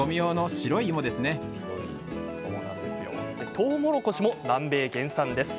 とうもろこしも南米原産です。